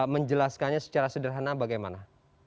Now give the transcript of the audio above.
menjelaskannya secara sederhana bagaimana